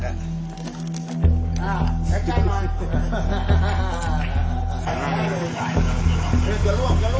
ไหลไหล